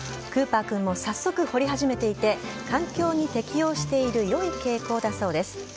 クーパー君も早速掘り始めていて環境に適応している良い傾向だそうです。